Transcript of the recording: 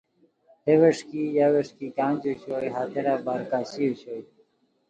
ہے ویݰکی یا ویݰکی کھانج اوشوئے ہتیرا بار کھاݰی اوشوئے